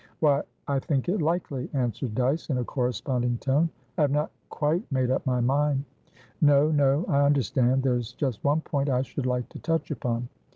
"Why, I think it likely," answered Dyce, in a corresponding tone. "I have not quite made up my mind" "No, no. I understand. There's just one point I should like to touch upon.